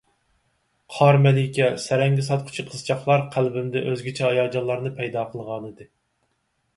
قار مەلىكە، سەرەڭگە ساتقۇچى قىزچاقلار قەلبىمدە ئۆزگىچە ھاياجانلارنى پەيدا قىلغانىدى.